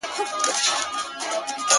ويل پلاره ما ټول كال زحمت ايستلى -